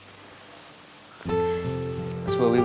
cuma perasaan mas bobi ke kamu